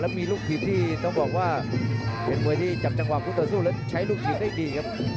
มีลูกทีมที่ต้องบอกว่าเป็นมวยที่จับจังหวะคู่ต่อสู้แล้วใช้ลูกทีมได้ดีครับ